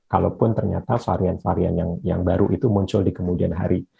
kalaupun ternyata varian varian yang baru itu muncul di kemudian hari